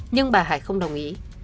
nhưng bà hải không đồng ý